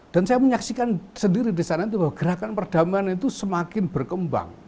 dan saya menyaksikan sendiri di sana bahwa gerakan perdamaian itu semakin berkembang